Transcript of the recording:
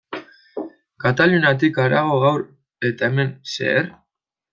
Kataluniatik harago, gaur eta hemen, zer?